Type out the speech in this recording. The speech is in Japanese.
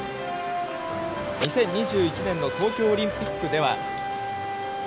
２０２１年の東京オリンピックでは。